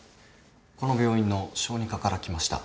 この病院の小児科から来ました。